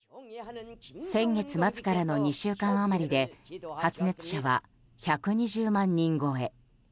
先月末からの２週間余りで発熱者は１２０万人超え。